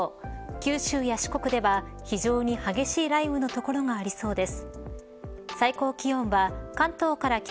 九州や四国では非常に激しい雷雨の所がありそうです。